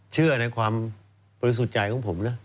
เชื่อในความบริสุทธิ์ใจของผมนะ